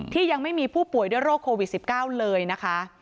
ยังไม่มีผู้ป่วยด้วยโรคโควิด๑๙เลยนะคะ